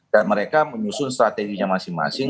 dan mereka menyusun strateginya masing masing